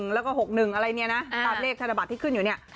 แล้วก็๖๑อะไรเนี่ยนะตามเลขธนบัตรที่ขึ้นอยู่เนี่ย